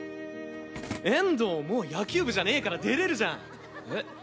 遠藤もう野球部じゃねぇから出れるじえっ？